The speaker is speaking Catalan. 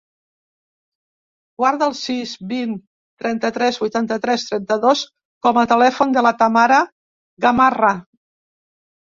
Guarda el sis, vint, trenta-tres, vuitanta-tres, trenta-dos com a telèfon de la Tamara Gamarra.